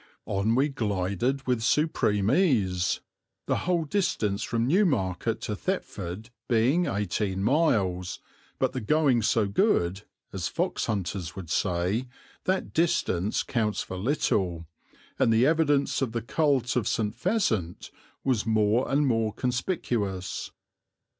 On we glided with supreme ease the whole distance from Newmarket to Thetford being eighteen miles, but the "going so good," as foxhunters would say, that distance counts for little and the evidence of the cult of St. Pheasant was more and more conspicuous.